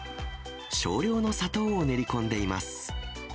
少量の砂糖を練り込んでいます。